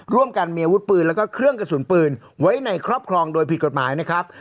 ร่วมกันมีอาวุธปืนแล้วก็เครื่องกระสุนปืนไว้ในครอบครองโดยผิดกฎหมายนะครับ